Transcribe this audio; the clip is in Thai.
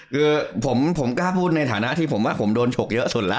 คือผมกล้าพูดในฐานะที่ผมว่าผมโดนฉกเยอะสุดแล้ว